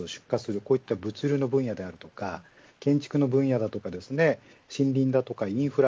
こういった物流の分野であるとか建築の分野だとか森林やインフラ